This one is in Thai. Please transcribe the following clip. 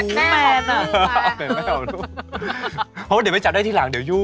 อันนี้เรื่องใหญ่เลยผมว่านะ